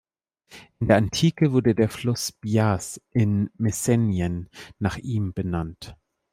In der Antike wurde der Fluss "Bias" in Messenien nach ihm benannt.